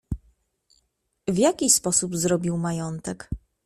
"W jaki sposób zrobił majątek?"